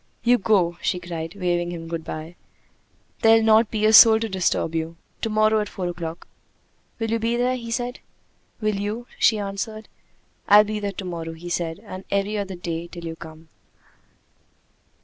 "You go," she cried, waving him good by. "There'll not be a soul to disturb you! To morrow at four o'clock!" "Will you be there?" he said. "Will you?" she answered. "I'll be there to morrow," he said, "and every other day till you come."